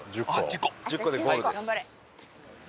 １０個でゴールです。